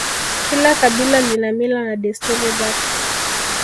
Kila kabila lina mila na desturi zake